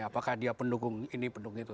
apakah dia pendukung ini pendukung itu